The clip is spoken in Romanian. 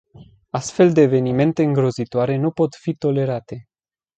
Astfel de evenimente îngrozitoare nu pot fi tolerate.